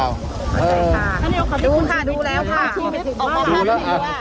ดูค่ะดูแล้วค่ะ